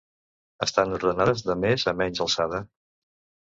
Estan ordenades de més a menys alçada.